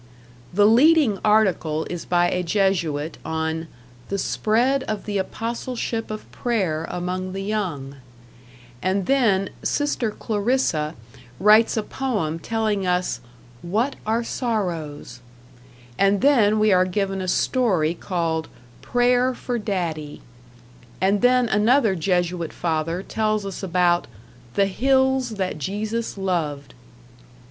The leading article is by a Jesuit, on "The Spread of the Apostleship of Prayer among the Young"; and then "Sister Clarissa" writes a poem telling us "What are Sorrows"; and then we are given a story called "Prayer for Daddy"; and then another Jesuit father tells us about "The Hills that Jesus Loved".